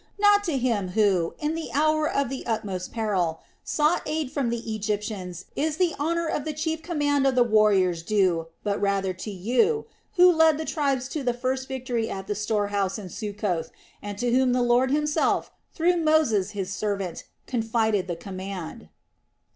Not to him who, in the hour of the utmost peril, sought aid from the Egyptians is the honor of the chief command of the warriors due, but rather to you, who led the tribes to the first victory at the store house in Succoth and to whom the Lord Himself, through Moses His servant, confided the command."